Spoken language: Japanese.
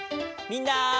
みんな。